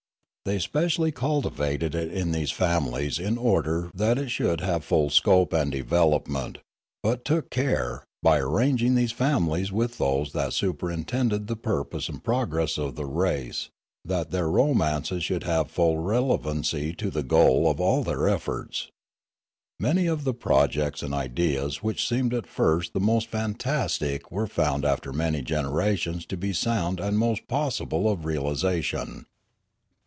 They specially culti vated it in these families in order that it should have full scope and development, but took care, by ranging these families with those that superintend the purpose and progress of the race, that their romances should have full relevancy to the goal of all their efforts. Many of the projects and ideas which seemed at first the most fantastic were found after many generations to be sound and most possible of realisation.